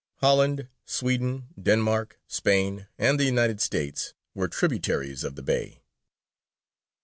Holland, Sweden, Denmark, Spain, and the United States were tributaries of the Bey!